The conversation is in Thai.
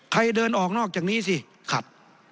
ใครเดินออกนอกจากนี้สิขัด